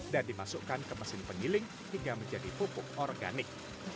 dan dimasukkan ke mesin pengiling hingga menjadi pupuk organik